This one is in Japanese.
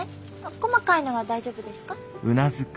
細かいのは大丈夫ですか？